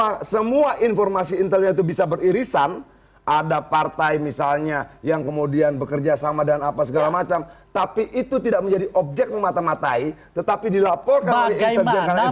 kalau informasi intel itu bisa beririsan ada partai misalnya yang kemudian bekerja sama dan apa segala macam tapi itu tidak menjadi objek memata matai tetapi dilaporkan oleh intel